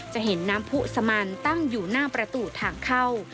จะเห็นน้ำผู้สมันตั้งอยู่หน้าประตูทางเข้า